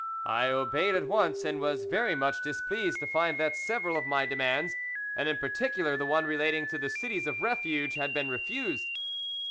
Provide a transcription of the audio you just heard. I obeyed at once, and was very much displeased to find that several of my demands, and in particular the one relating to the cities of refuge, had been refused; but M.